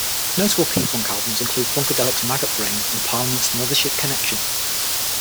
Notable P-Funk albums include Funkadelic's "Maggot Brain" and Parliament's "Mothership Connection".